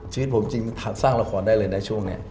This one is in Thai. ชีวิตผมจริงสร้างละครได้เลยนะช่วงนี้